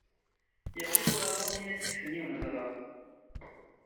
Yeɣli-d uɣalad mi as-d-kksen yiwen n udɣaɣ.